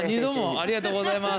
ありがとうございます。